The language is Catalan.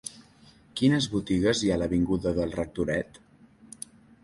Quines botigues hi ha a l'avinguda del Rectoret?